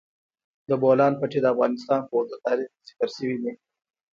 د بولان پټي د افغانستان په اوږده تاریخ کې ذکر شوی دی.